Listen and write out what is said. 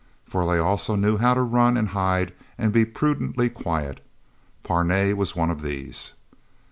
For they also knew how to run and hide and be prudently quiet. Parnay was one of these.